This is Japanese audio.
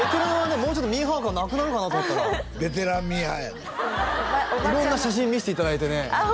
もうちょっとミーハー感なくなるかなと思ったらベテランミーハーやねん色んな写真見せていただいてねああ